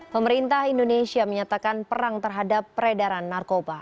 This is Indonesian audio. pemerintah indonesia menyatakan perang terhadap peredaran narkoba